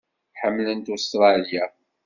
Ḥemmlent Ustṛalya.